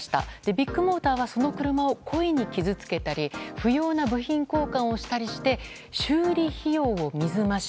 ビッグモーターはその車を故意に傷つけたり不要な部品交換をしたりして修理費用を水増し。